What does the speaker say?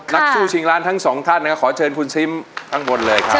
นักสู้ชิงล้านทั้งสองท่านนะครับขอเชิญคุณซิมข้างบนเลยครับ